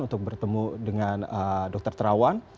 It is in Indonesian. untuk bertemu dengan dokter terawan